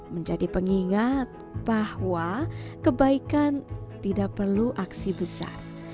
menjadi pengingat bahwa kebaikan tidak perlu aksi besar